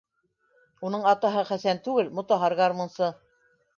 Уның атаһы Хәсән түгел, Мотаһар гармунсы.